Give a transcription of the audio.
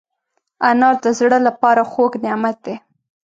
انار د زړه له پاره خوږ نعمت دی.